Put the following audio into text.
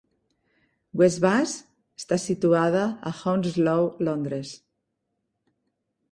Westbus està situada a Hounslow, Londres.